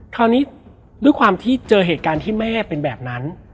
คราวนี้ด้วยความที่เจอเหตุการณ์ที่แม่เป็นแบบนั้น